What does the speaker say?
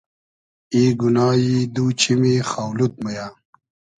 ای گونایی دو چیمی خاو لود مۉ یۂ